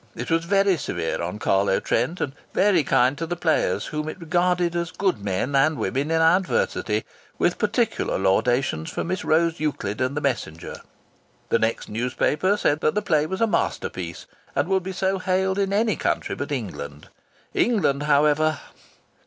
It was very severe on Carlo Trent, and very kind to the players, whom it regarded as good men and women in adversity with particular laudations for Miss Rose Euclid and the Messenger. The next newspaper said the play was a masterpiece and would be so hailed in any country but England. England, however